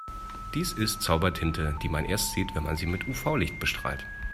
Dies ist Zaubertinte, die man erst sieht, wenn man sie mit UV-Licht bestrahlt.